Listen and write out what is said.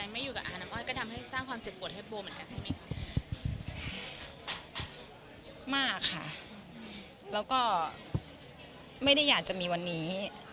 มากค่ะแล้วก็ไม่ได้อยากจะมีวันนี้